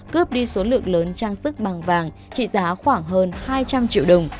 cướp đi số lượng lớn trang sức bằng vàng trị giá khoảng hơn hai trăm linh triệu đồng